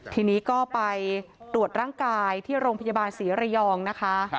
ทีนี้ก็ไปตรวจร่างกายที่โรงพยาบาลศรีระยองนะคะ